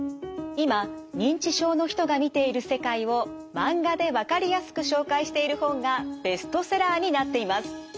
今認知症の人が見ている世界をマンガでわかりやすく紹介している本がベストセラーになっています。